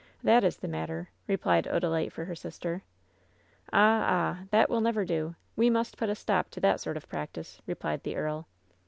That is the matter," replied Oda lite for her sister. "Ah ! ah ! that will never do 1 We must put a stop to that sort of practice !" replied the earl.